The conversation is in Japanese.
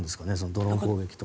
ドローン攻撃と。